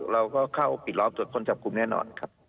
เราก็เข้าปิดล้อมตรวจคนจับกลุ่มแน่นอนครับ